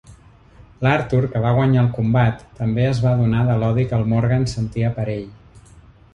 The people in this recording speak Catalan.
L'Arthur, que va guanyar el combat, també es va adonar de l'odi que el Morgan sentia per ell.